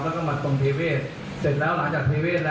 ผมเขินด้วยอันสัดแรกเลยคุกก่อน